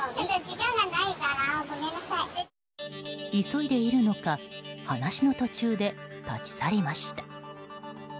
急いでいるのか話の途中で立ち去りました。